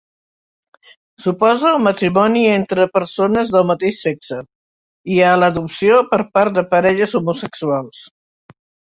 S'oposa al matrimoni entre persones del mateix sexe i a l'adopció per part de parelles homosexuals.